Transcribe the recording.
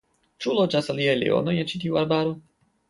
Ĉu loĝas aliaj leonoj en ĉi tiu arbaro?